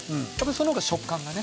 その方が食感がね。